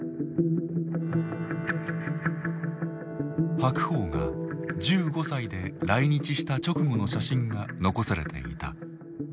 白鵬が１５歳で来日した直後の写真が残されていた。